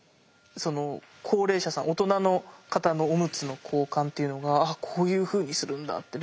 その高齢者さん大人の方のおむつの交換っていうのがあっこういうふうにするんだって。